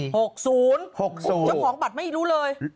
เจ้าของบัตรไม่รู้เลย